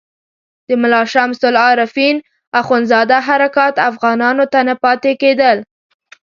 د ملا شمس العارفین اخندزاده حرکات افغانانو ته نه پاتې کېدل.